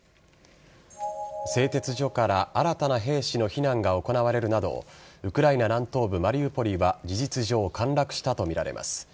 製鉄所から新たな兵士の避難が行われるなどウクライナ南東部・マリウポリは事実上陥落したとみられます。